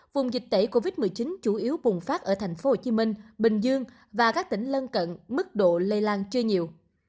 vùng dịch tễ covid một mươi chín chủ yếu bùng phát ở thành phố hồ chí minh bình dương và các tỉnh lân cận mức độ lây lan chưa nhiều